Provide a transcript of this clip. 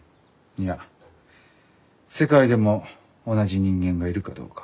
いや世界でも同じ人間がいるかどうか。